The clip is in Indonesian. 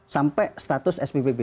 sampai status spbb